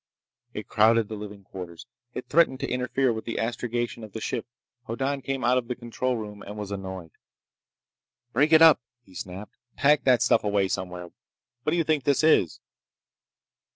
It crowded the living quarters. It threatened to interfere with the astrogation of the ship. Hoddan came out of the control room and was annoyed. "Break it up!" he snapped. "Pack that stuff away somewhere! What do you think this is?"